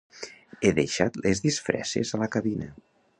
He deixat les disfresses a la cabina.